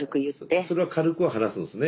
ああそれは軽くは話すんですね